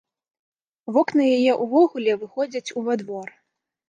Вокны яе ўвогуле выходзяць ува двор.